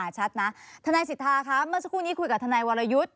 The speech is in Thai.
ชัดนะทนายสิทธาคะเมื่อสักครู่นี้คุยกับทนายวรยุทธ์